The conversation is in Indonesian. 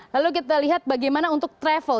lalu kita lihat bagaimana untuk travel